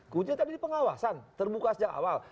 kuncinya tadi di pengawasan terbuka sejak awal